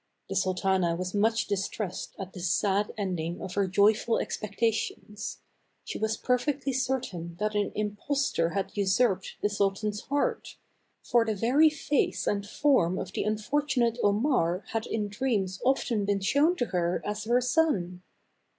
The sultana was much distressed at this sad ending of her joyful expectations. She was per fectly certain that an impostor had usurped the sultan's heart, for the very face and form of the Unfortunate Omar had in dreams often been shown to her as her son.